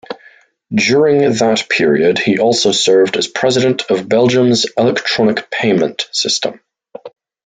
During that period, he also served as President of Belgium's Electronic Payment System.